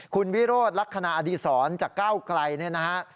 คุณวิโรธลักษณะอดีศรจากก้าวไกลเนี่ยนะฮะ